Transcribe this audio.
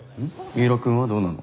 三浦くんはどうなの？